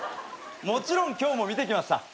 もちろん今日も見てきました。